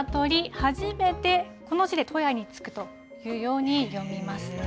はじめて、この字でとやにつくというように読みます。